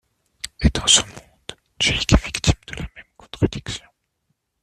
Et dans son monde, Jake est victime de la même contradiction.